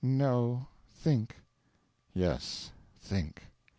"No; think." "Yes; think."